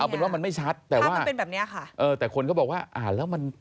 เป็นว่ามันไม่ชัดแต่ว่ามันเป็นแบบเนี้ยค่ะเออแต่คนเขาบอกว่าอ่านแล้วมัน